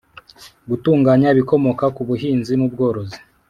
Gutunganya ibikomoka ku buhinzi n ubworozi